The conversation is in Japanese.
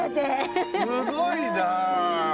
すごいな。